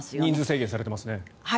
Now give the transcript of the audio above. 人数制限されていますね。